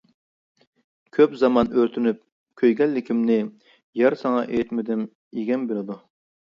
كۆپ زامان ئۆرتىنىپ كۆيگەنلىكىمنى، يار، ساڭا ئېيتمىدىم، ئىگەم بىلىدۇ.